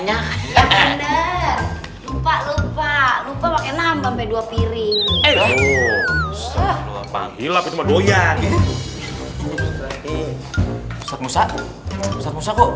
enak mbak mbak dua piring eh lho panggilan goyang